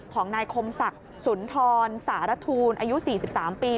ของนายคมศักดิ์สุนทรสารทูลอายุ๔๓ปี